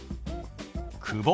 「久保」。